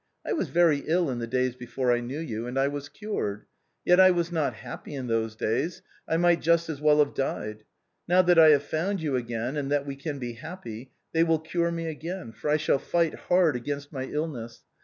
I was very ill in the days before I knew you, and I was cured. Yet I was not happy in those days, I might Just as well have died. Now that I have found you again and that we can be happy, they will cure me again, for I shall fight hard against my illness.